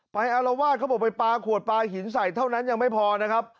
อารวาสเขาบอกไปปลาขวดปลาหินใส่เท่านั้นยังไม่พอนะครับ